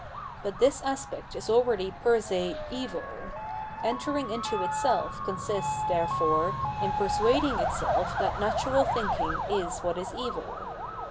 But this aspect is already per se evil : entering into itself consists, therefore, in persuading itself that natural existence is what is evil.